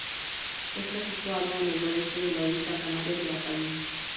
Está situado en el noreste de la isla canaria de La Palma.